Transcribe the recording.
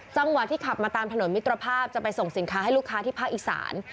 จังหวะที่ขับมาตามถนนมิตรภาพจะไปส่งสินค้าให้ลูกค้าที่ภาคอีสาน